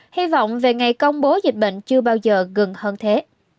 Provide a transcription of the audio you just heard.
hy vọng về ngày công bố dịch bệnh chưa bao giờ gần hơn thế